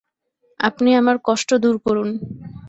আপনি আমার কষ্ট দূর করুন।